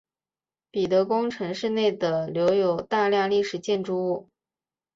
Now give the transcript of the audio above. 彼得宫城市内的留有大量历史建筑物。